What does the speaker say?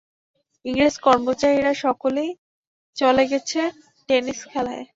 ইংরেজ কর্মচারীরা সকলেই চলে গেছে টেনিস খেলায়।